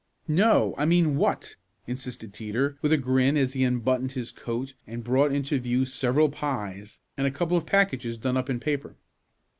"No, I mean 'what,'" insisted Teeter with a grin as he unbuttoned his coat and brought into view several pies, and a couple of packages done up in paper.